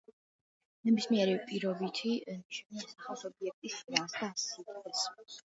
ნებისმიერი პირობითი ნიშანი ასახავს ობიექტის შინაარს და სიდიდეს.